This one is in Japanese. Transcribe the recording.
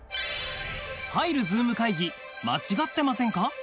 入るＺｏｏｍ会議間違ってませんか？